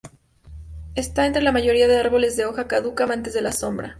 Está entre la mayoría de árboles de hoja caduca amantes de la sombra.